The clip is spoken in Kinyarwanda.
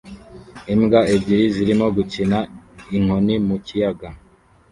Imbwa ebyiri zirimo gukina inkoni mu kiyaga